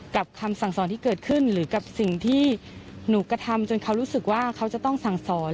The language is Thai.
คำสั่งสอนที่เกิดขึ้นหรือกับสิ่งที่หนูกระทำจนเขารู้สึกว่าเขาจะต้องสั่งสอน